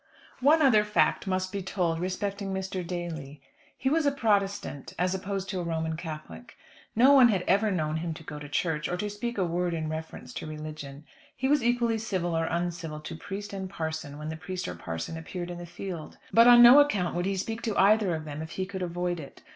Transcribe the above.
One other fact must be told respecting Mr. Daly. He was a Protestant as opposed to a Roman Catholic. No one had ever known him go to church, or speak a word in reference to religion. He was equally civil or uncivil to priest and parson when priest or parson appeared in the field. But on no account would he speak to either of them if he could avoid it.